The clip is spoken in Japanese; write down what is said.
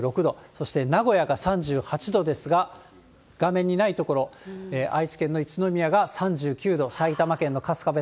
そして名古屋が３８度ですが、画面にない所、愛知県の一宮が３９度、埼玉県の春日部、